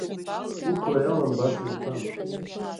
Уқәра иалам, баша иуҭан.